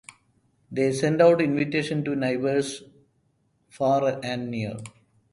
They sent out invitations to neighbors far and near.